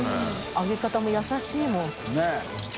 揚げ方も優しいもん。